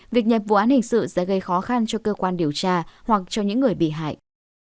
việc nhập vụ án hình sự sẽ gây khó khăn cho cơ quan điều tra hoặc cho những người bị hại